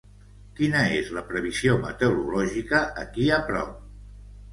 Quina és la previsió meteorològica aquí a prop?